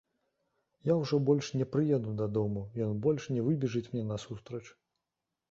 Я ўжо больш не прыеду дадому, ён больш не выбежыць мне насустрач.